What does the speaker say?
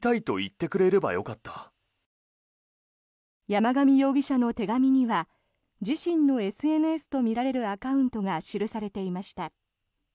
山上容疑者の手紙には自身のＳＮＳとみられるアカウントが記されていました。